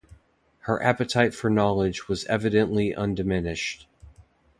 Her appetite for knowledge was evidently undiminished.